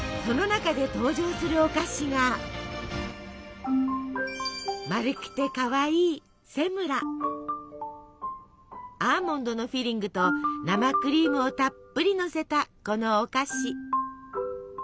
その中で登場するお菓子が丸くてかわいいアーモンドのフィリングと生クリームをたっぷりのせたこのお菓子。